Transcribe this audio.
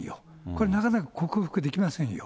これ、なかなか克服できませんよ。